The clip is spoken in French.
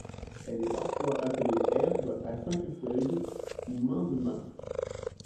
Elle est parfois appelée Herbe à cinq feuilles ou Main-de-Mars.